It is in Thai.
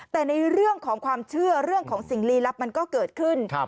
แต่ในเรื่องของความเชื่อเรื่องของสิ่งลีลับมันก็เกิดขึ้น